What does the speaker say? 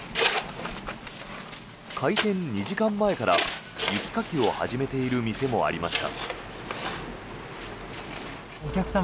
開店２時間前から雪かきを始めている店もありました。